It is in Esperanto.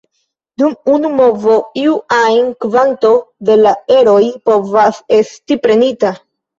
Dum unu movo iu ajn kvanto de la eroj povas esti prenita.